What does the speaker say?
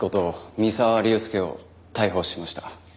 三沢龍介を逮捕しました。